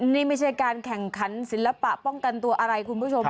นี่ไม่ใช่การแข่งขันศิลปะป้องกันตัวอะไรคุณผู้ชม